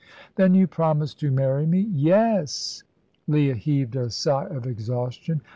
"Then you promise to marry me." "Yes!" Leah heaved a sigh of exhaustion.